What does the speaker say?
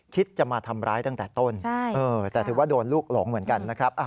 คิดจะมาทำร้ายตั้งแต่ต้นแต่ถือว่าโดนลูกหลงเหมือนกันนะครับ